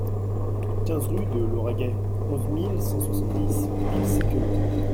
quinze rue du Lauragais, onze mille cent soixante-dix Villesèquelande